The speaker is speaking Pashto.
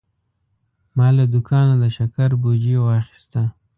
ما له دوکانه د شکر بوجي واخیسته.